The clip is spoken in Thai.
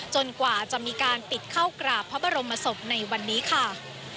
กว่าจะมีการปิดเข้ากราบพระบรมศพในวันนี้ค่ะ